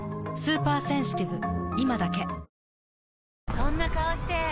そんな顔して！